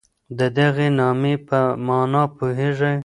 د دغي نامې په مانا پوهېږئ؟